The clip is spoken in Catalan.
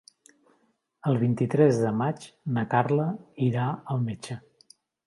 El vint-i-tres de maig na Carla irà al metge.